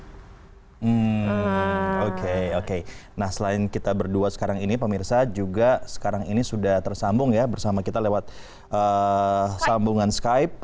hmm oke oke nah selain kita berdua sekarang ini pemirsa juga sekarang ini sudah tersambung ya bersama kita lewat sambungan skype